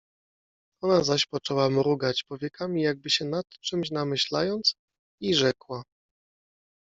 Ona zaś poczęła mrugać powiekami jakby się nad czymś namyślając — i rzekła.